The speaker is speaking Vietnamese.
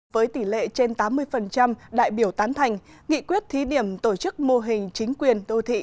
với tỷ lệ trên tám mươi đại biểu tán thành nghị quyết thí điểm tổ chức mô hình chính quyền đô thị